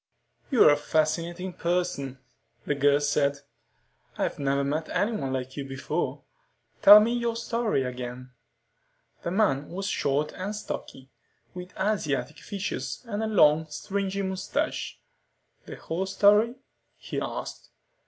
"You're a fascinating person," the girl said. "I've never met anyone like you before. Tell me your story again." The man was short and stocky, with Asiatic features and a long, stringy mustache. "The whole story?" he asked.